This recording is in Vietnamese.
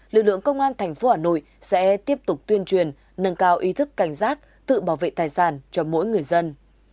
lực lượng công an tp hà nội sẽ tiếp tục tuyên truyền nâng cao ý thức cảnh giác tự bảo vệ tài sản cho mỗi người dân